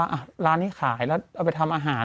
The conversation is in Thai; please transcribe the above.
อะล้านนี้ซาให้กลายแล้วเอาไปทำอาหาร